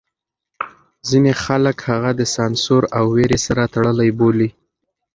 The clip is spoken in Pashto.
ځینې خلک هغه د سانسور او وېرې سره تړلی بولي.